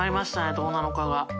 「どうなの課」が。